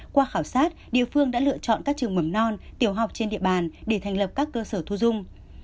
qua khảo sát địa phương đã lựa chọn các trường mầm non tiểu học trên địa bàn để thành lập các cơ sở thu dung